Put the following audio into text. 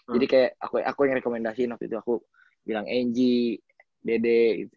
kayak aku yang rekomendasiin waktu itu aku bilang ng dede gitu